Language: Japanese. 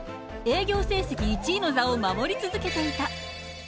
営業成績１位の座を守り続けていた。